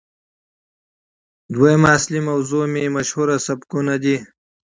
دويمه اصلي موضوع مې مشهورسبکونه دي